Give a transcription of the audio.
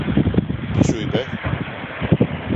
Τι σου είπε;